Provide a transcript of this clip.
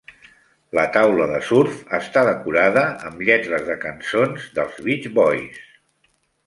La taula de surf està decorada amb lletres de cançons dels Beach Boys.